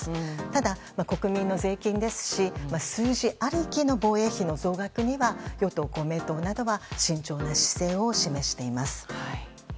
ただ、国民の税金ですし数字ありきの防衛費の増額には与党・公明党などは慎重な姿勢と示しています。